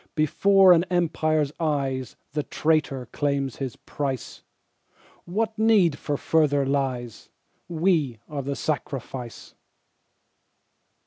Before an Empire's eyes The traitor claims his price. What need of further lies? We are the sacrifice.